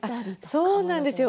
そうなんですよ。